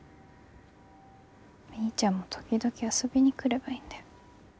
みーちゃんも時々遊びに来ればいいんだよ。